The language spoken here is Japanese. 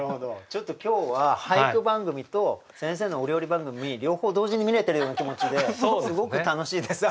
ちょっと今日は俳句番組と先生のお料理番組両方同時に見れてるような気持ちですごく楽しいです。